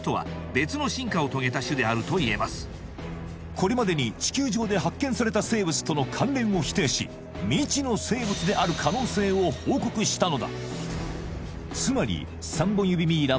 これまでに地球上で発見された生物との関連を否定し未知の生物である可能性を報告したのだつまり３本指ミイラ